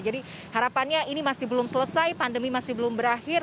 jadi harapannya ini masih belum selesai pandemi masih belum berakhir